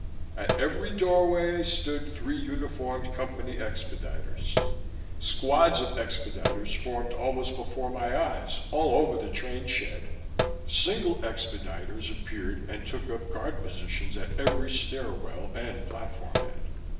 At every doorway stood three uniformed Company expediters; squads of expediters formed almost before my eyes all over the train shed; single expediters appeared and took up guard positions at every stairwell and platform head.